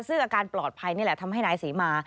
ซึ่งอาการปลอดภัยนี่แหละทำให้นายศรีมา